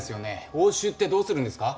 押収ってどうするんですか？